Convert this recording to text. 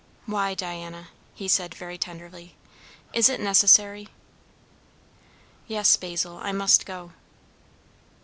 "Why, Diana?" he said very tenderly. "Is it necessary?" "Yes, Basil. I must go."